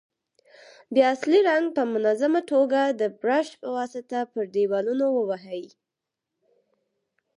بیا اصلي رنګ په منظمه توګه د برش په واسطه پر دېوالونو ووهئ.